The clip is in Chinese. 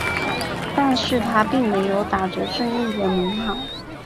但是他并没有打着正义的名号。